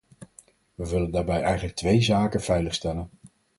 We willen daarbij eigenlijk twee zaken veilig stellen.